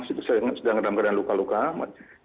sekarang sedang dalam keadaan luka luka mbak